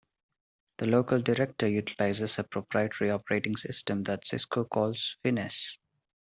The LocalDirector utilizes a proprietary operating system that Cisco calls Finesse.